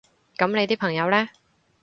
噉你啲朋友呢？